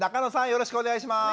よろしくお願いします。